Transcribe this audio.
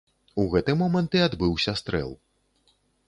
У гэты момант і адбыўся стрэл.